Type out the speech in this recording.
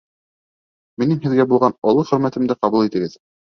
Минең һеҙгә булған оло хөрмәтемде кабул итегеҙ.